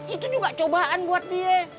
itu juga cobaan buat dia